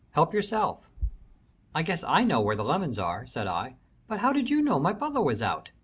"Help yourself." "I guess I know where the lemons are," said I. "But how did you know my butler was out?"